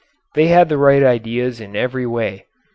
They had the right ideas in every way.